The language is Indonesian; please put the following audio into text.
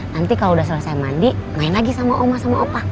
nanti kalau udah selesai mandi main lagi sama oma sama opak